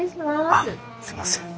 あっすいません。